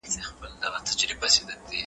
که سکرین وي نو فلم نه پټیږي.